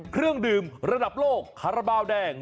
เครื่องดื่มระดับโลกคาราบาลแดง